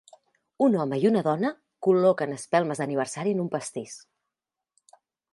Un home i una dona col·loquen espelmes d'aniversari en un pastís.